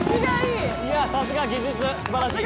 さすが技術素晴らしい。